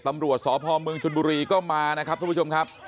ตำรวจสพเมืองชนบุรีก็มานะครับทุกผู้ชมครับ